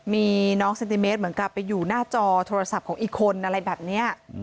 มีน้องเซนติเมตรเหมือนกับไปอยู่หน้าจอโทรศัพท์ของอีกคนอะไรแบบนี้